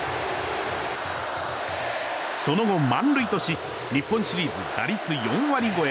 その後、満塁とし日本シリーズ打率４割超え